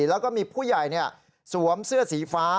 แล้วก็มีผู้ใหญ่สวมเสื้อสีฟ้า